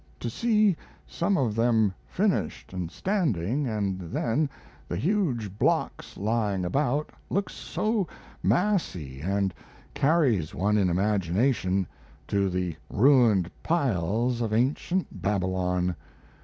To see some of them finished and standing, and then the huge blocks lying about, looks so massy, and carries one, in imagination, to the ruined piles of ancient Babylon.